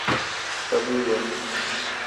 Hebûye